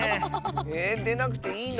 えっでなくていいの？